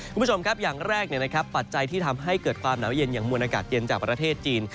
คุณผู้ชมครับอย่างแรกปัจจัยที่ทำให้เกิดความหนาวเย็นอย่างมวลอากาศเย็นจากประเทศจีน